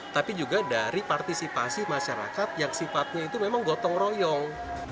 tapi juga dari partisipasi masyarakat yang sifatnya itu memang gotong royong